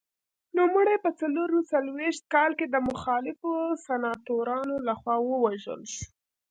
نوموړی په څلور څلوېښت کال کې د مخالفو سناتورانو لخوا ووژل شو.